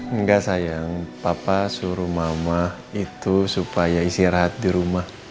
enggak sayang papa suruh mama itu supaya istirahat di rumah